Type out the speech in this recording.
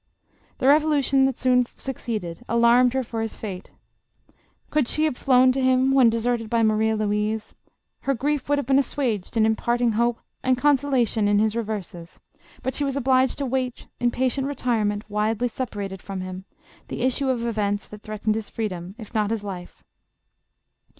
The revolution that soon succeeded, alarmed her for his fate. Could she have flown to him when deserted by Maria Louise, her grief would have been assuaged in imparting hope and consolation in his reverses, but she was obliged to wait in patient retirement, widely separated from him, the issue of events that threaten ed his freedom if not his life.